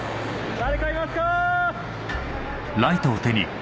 誰かいますか！